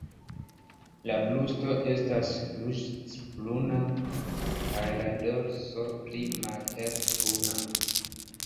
La brusto estas ruĝecbruna kaj la dorso pli malhelbruna.